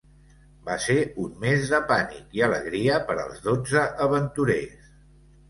Va ser un mes de pànic i alegria per als dotze aventurers.